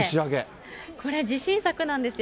これ、自信作なんですよ。